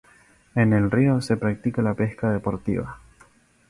En el río se practica la pesca deportiva.